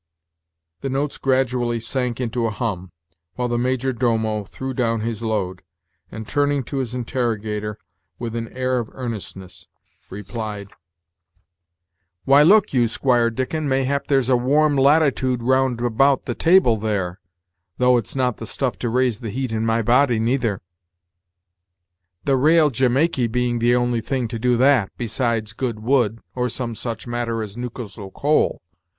The notes gradually sank into a hum, while the major domo threw down his load, and, turning to his interrogator with an air of earnestness, replied: "Why, look you, Squire Dickon, mayhap there's a warm latitude round about the table there, thof it's not the stuff to raise the heat in my body, neither; the raal Jamaiky being the only thing to do that, besides good wood, or some such matter as Newcastle coal.